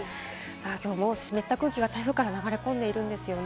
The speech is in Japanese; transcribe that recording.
きょうの湿った空気が台風から流れているんですよね。